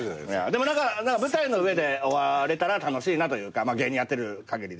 でも舞台の上で終われたら楽しいなというか芸人やってるかぎりで。